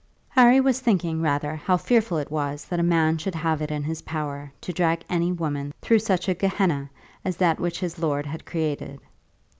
Harry was thinking rather how fearful it was that a man should have it in his power to drag any woman through such a Gehenna as that which this lord had created.